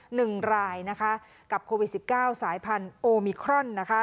หนึ่งรายนะคะกับโควิดสิบเก้าสายพันธุ์โอมิครอนนะคะ